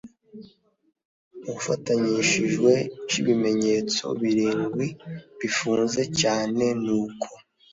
ufatanyishijwe c ibimenyetso birindwi bifunze cyane nuko